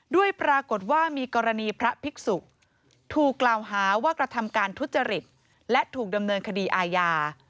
ด้วยปรากฏว่ามีกรณีพระภิกษุถูกกล่าวหาว่ากระทำการทุจริตและถูกดำเนินคดีอาญา